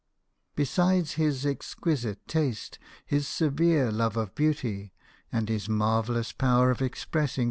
Besides his exquisite taste, his severe love of beauty, and his marvellous power of expressing JOHN GIBSON, SCULPTOR.